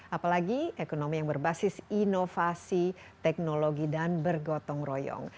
apalagi ekonomi yang berbasis inovasi teknologi dan bergotong royong